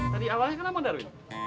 tadi awalnya kan abang darwin